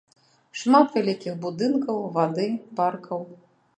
Шмат вялікіх будынкаў, вады, паркаў.